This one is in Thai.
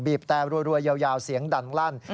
แต่รัวยาวเสียงดังลั่น